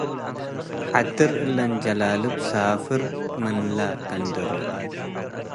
ሐድር እለን ጀለልብ ሳፍር ምንለ ገንደሩ